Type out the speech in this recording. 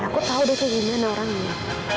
aku tahu dia kayak gimana orangnya